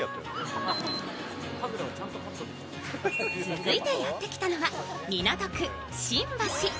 続いてやってきたのは港区新橋。